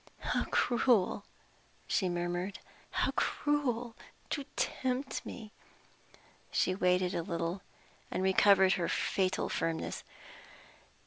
"How cruel!" she murmured, "how cruel to tempt me!" She waited a little, and recovered her fatal firmness.